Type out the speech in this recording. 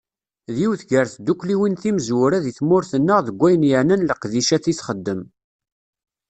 D yiwet gar tddukkliwin timezwura di tmurt-nneɣ deg wayen yeɛnan leqdicat i t-xeddem.